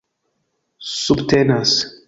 subtenas